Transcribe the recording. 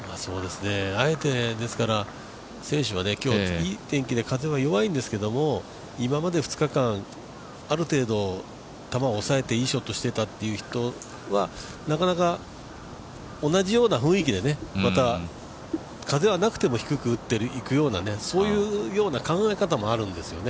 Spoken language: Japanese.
あえて選手は今日、いい天気で風は弱いんですけれども、今まで２日間ある程度、球を抑えていいショットしていたという人はなかなか、同じような雰囲気でまた風はなくても低く打っていくような考え方もあるんですよね。